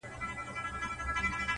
هغه زما خبري پټي ساتي ـ